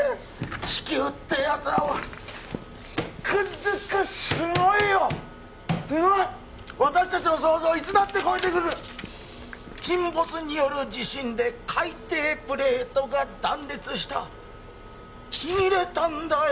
地球ってやつはつくづくすごいよすごい私たちの想像をいつだって超えてくる沈没による地震で海底プレートが断裂したちぎれたんだよ